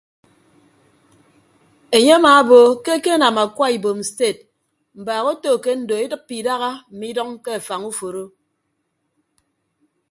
Enye amaabo ke ekenam akwa ibom sted mbaak oto ke ndo edịppe idaha mme idʌñ ke afañ uforo.